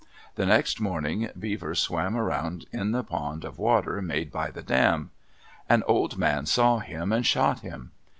The next morning Beaver swam around in the pond of water made by the dam. An old man saw him and shot him.